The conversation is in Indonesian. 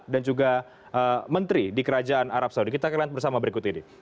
dan juga menteri di kerajaan arab saudi kita akan lihat bersama berikut ini